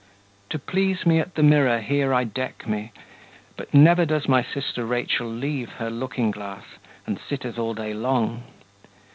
To please me at the mirror, here I deck me, But never does my sister Rachel leave Her looking glass, and sitteth all day long.